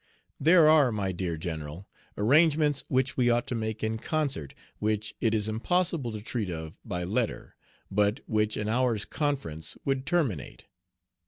There are, my dear General, arrangements which we ought to make in concert, which it is impossible to treat of by letter, but which an hour's conference would terminate.